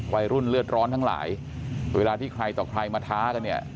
วัยรุ่นเลือดร้อนทั้งหลายเวลาที่ใครต่อใครมาท้ากันเนี่ย